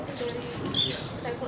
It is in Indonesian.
selu anwar stabil